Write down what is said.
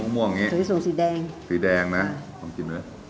อันนี้อะไร